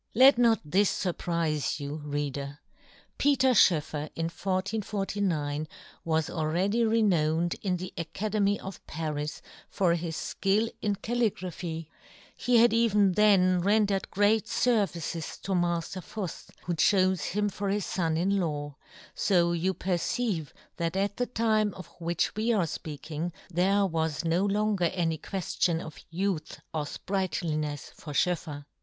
Let not this furprife you, reader ! Peter SchoefFer in 1449 was already renowned in the Academy of Paris for his fkill in caligraphy ; he had even then rendered great fervices to Mafter Fuft, who chofe him for his 8 yohn Gutenberg. fon in law ; fo you perceive that at the time of which we are fpeaking there was no longer any queftion of youth or fprightlinefs for SchoefFer.